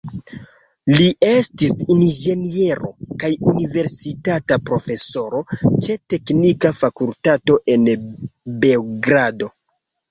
Li estis inĝeniero, kaj universitata profesoro ĉe teknika fakultato en Beogrado.